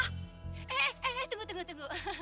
eh eh eh tunggu tunggu tunggu